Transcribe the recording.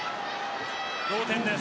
同点です。